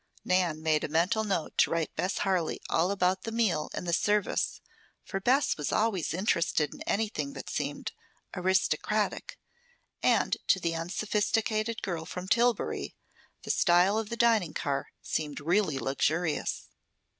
Nan made a mental note to write Bess Harley all about the meal and the service, for Bess was always interested in anything that seemed "aristocratic," and to the unsophisticated girl from Tillbury the style of the dining car seemed really luxurious.